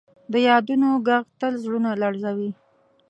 د یادونو ږغ تل زړونه لړزوي.